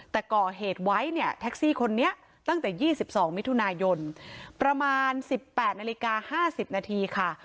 แต่ก่อเหตุไว้เนี่ยแท็กซี่คนนี้ตั้งแต่๒๒มิถุนายนประมาณ๑๘นาฬิกา๕๐นาทีค่ะ